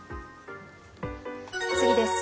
次です。